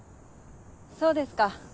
そうですか。